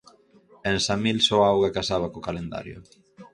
En Samil só a auga casaba co calendario.